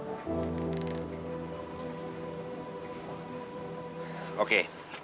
jangan nunggu lagi ya